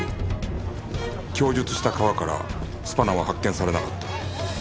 供述した川からスパナは発見されなかった